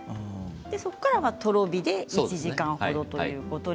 そこからは、とろ火で１時間ほどです。